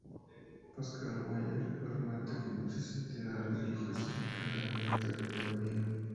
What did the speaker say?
Pascal Boyer argumenta que muchas entidades religiosas encajan en esta categoría.